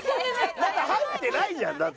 中入ってないじゃんだって。